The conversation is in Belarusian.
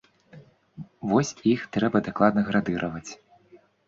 Вось іх трэба дакладна градыраваць.